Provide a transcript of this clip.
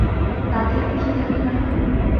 তাতেই খুশি থাকি না হয়।